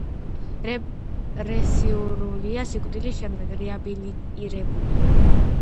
რეპრესირებულია, სიკვდილის შემდეგ რეაბილიტირებულია.